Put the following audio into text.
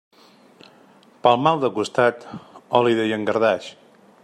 Pel mal de costat, oli de llangardaix.